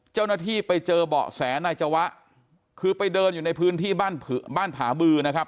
เจ้าหน้าที่ไปเจอเบาะแสนายจวะคือไปเดินอยู่ในพื้นที่บ้านผาบือนะครับ